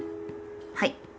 はい。